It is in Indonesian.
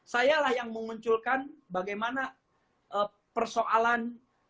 sayalah yang memunculkan bagaimana persoalan